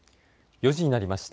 ４時になりました。